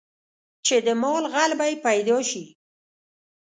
چې د مال غل به یې پیدا شي.